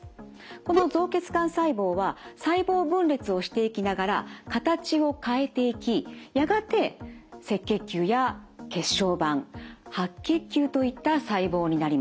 この造血幹細胞は細胞分裂をしていきながら形を変えていきやがて赤血球や血小板白血球といった細胞になります。